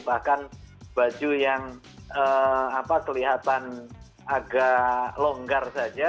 bahkan baju yang kelihatan agak longgar saja